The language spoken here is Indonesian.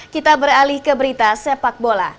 kita beralih ke berita sepak bola